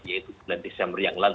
yaitu bulan desember yang lalu